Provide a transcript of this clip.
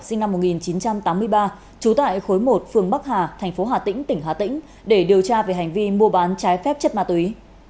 sinh năm một nghìn chín trăm tám mươi ba trú tại khối một phường bắc hà thành phố hà tĩnh tỉnh hà tĩnh để điều tra về hành vi mua bán trái phép chất ma túy